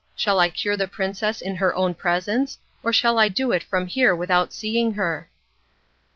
Shall I cure the princess in her own presence, or shall I do it from here without seeing her?"